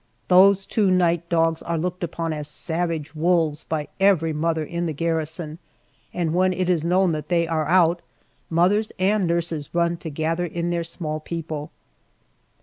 Those two Knight dogs are looked upon as savage wolves by every mother in the garrison, and when it is known that they are out, mothers and nurses run to gather in their small people.